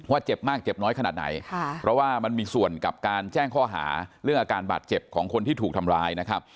เจ็บมากเจ็บน้อยขนาดไหนค่ะเพราะว่ามันมีส่วนกับการแจ้งข้อหาเรื่องอาการบาดเจ็บของคนที่ถูกทำร้ายนะครับ